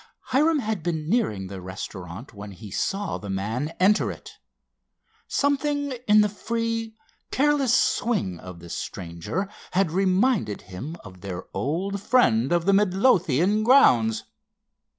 Hiram had been nearing the restaurant when he saw the man enter it. Something in the free, careless swing of the stranger had reminded him of their old friend of the Midlothian grounds.